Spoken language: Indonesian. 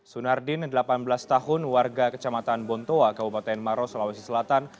sunardin delapan belas tahun warga kecamatan bontoa kabupaten maros sulawesi selatan